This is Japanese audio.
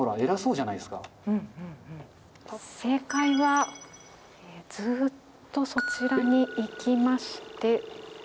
正解はずっとそちらに行きまして。